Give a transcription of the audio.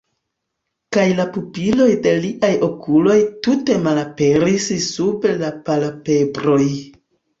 Kaj la pupiloj de liaj okuloj tute malaperis sub la palpebroj.